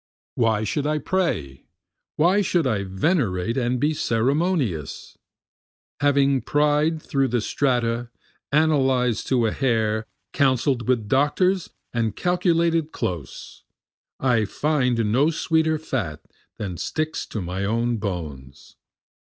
Why should I pray? why should I venerate and be ceremonious? Having pried through the strata, analyzed to a hair, counsel'd with doctors and calculated close, I find no sweeter fat than sticks to my own bones.